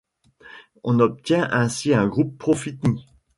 On obtient ainsi un groupe profini.